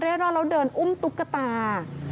รอดแล้วเดินอุ้มตุ๊กตา